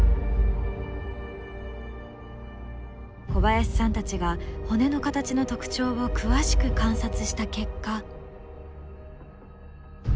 小林さんたちが骨の形の特徴を詳しく観察した結果。